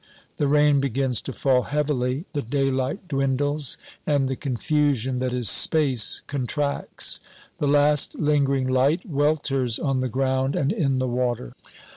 The rain begins to fall heavily. The daylight dwindles, and the confusion that is space contracts. The last lingering light welters on the ground and in the water.